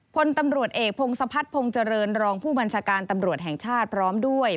พลตำรวจเอกพงศพัฒนภงเจริญรองผู้บัญชาการตำรวจแห่งชาติพร้อมด้วย